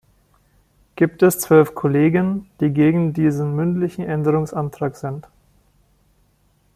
Gibt es zwölf Kollegen, die gegen diesen mündlichen Änderungsantrag sind?